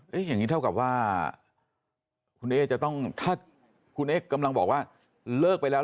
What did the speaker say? อย่างนี้เท่ากับว่าคุณเอ๊จะต้องถ้าคุณเอ๊กกำลังบอกว่าเลิกไปแล้ว